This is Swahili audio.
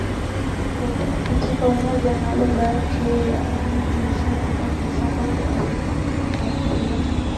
katika Umoja na Baba yake Yeye Mwenyewe alisema kwamba Sabato ilifanyika kwa ajili ya